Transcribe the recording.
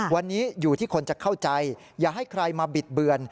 วันนี้อยู่ที่คนจะเข้าใจอย่าให้ใครมาบิดเบือน